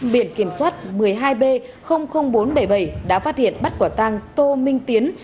biển kiểm soát một mươi hai b bốn trăm bảy mươi bảy đã phát hiện bắt quả tăng tô minh tiến